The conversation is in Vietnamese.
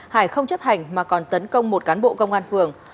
hải không chấp hành mà còn tấn công một cán bộ công an phường